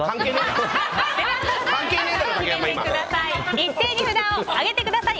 それでは一斉に札を上げてください。